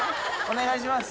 ・お願いします！